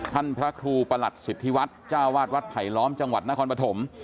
พระครูประหลัดสิทธิวัฒน์จ้าวาดวัดไผลล้อมจังหวัดนครปฐม